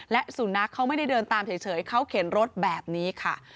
และสุนัขเขาไม่ได้เดินตามเฉยเขาเข็นรถแบบนี้ค่ะ